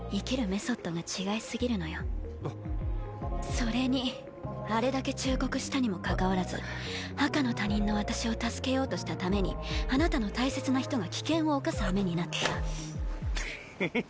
それにあれだけ忠告したにもかかわらずあかの他人の私を助けようとしたためにあなたの大切な人が危険を冒すはめになった。へへっ。